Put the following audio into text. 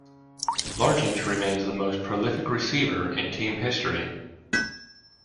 Largent remains the most prolific receiver in team history.